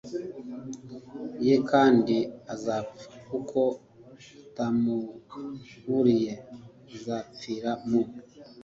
ye kandi azapfa kuko utamuburiye azapfira mu